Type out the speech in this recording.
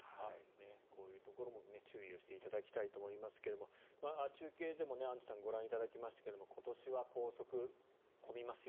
こういうところも注意をしていただきたいと思いますが中継でもアンジュさんご覧いただきましたが今年は高速混みますよ